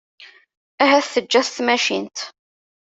Ahat teǧǧa-t tmacint.